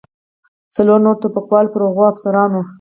څلور نور ټوپکوال پر هغو افسرانو.